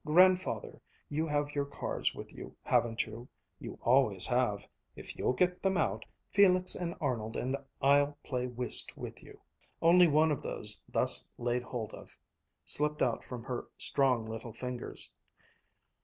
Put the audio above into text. Grandfather, you have your cards with you, haven't you? You always have. If you'll get them out, Felix and Arnold and I'll play whist with you." Only one of those thus laid hold of, slipped out from her strong little fingers.